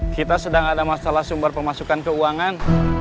kita sedang ada masalah sumber pemasukan keuangan